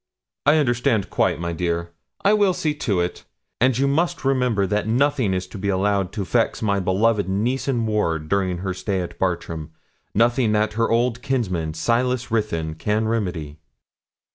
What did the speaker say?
'I understand quite, my dear. I will see to it; and you must remember that nothing is to be allowed to vex my beloved niece and ward during her stay at Bartram nothing that her old kinsman, Silas Ruthyn, can remedy.'